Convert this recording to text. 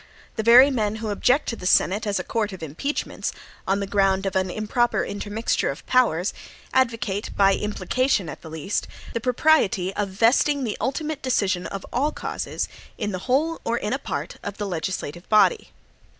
The very men who object to the Senate as a court of impeachments, on the ground of an improper intermixture of powers, advocate, by implication at least, the propriety of vesting the ultimate decision of all causes, in the whole or in a part of the legislative body.